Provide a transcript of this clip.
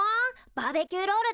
バーベキューロールだな。